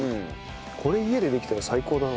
これ家でできたら最高だな。